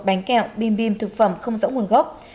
bánh kẹo bim bim thực phẩm không rõ nguồn gốc